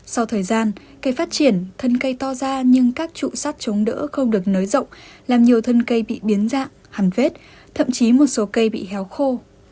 sau thời gian cây phát triển thân cây to ra nhưng các trụ sắt chống đỡ không được nới rộng làm nhiều thân cây bị biến dạng hàn vết thậm chí một số cây bị héo khô